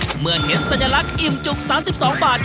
เมื่อเห็นสัญลักษณ์อิ่มจุก๓๒บาท